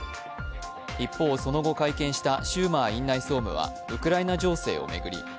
一方、その後、会見したシューマー院内総務はウクライナ情勢を巡り